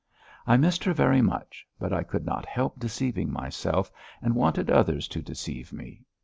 I missed her very much, but I could not help deceiving myself and wanted others to deceive me.